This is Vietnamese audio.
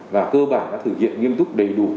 và cơ bản đã thực hiện nghiêm túc đầy đủ